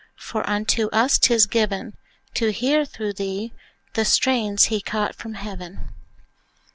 for unto us 'tis given To hear, through thee, the strains he caught from heaven.